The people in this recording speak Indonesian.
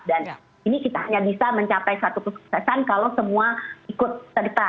dan ini kita hanya bisa mencapai satu kesuksesan kalau semua ikut serta